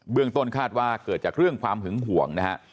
ต้นคาดว่าเกิดจากเรื่องความหึงห่วงนะฮะ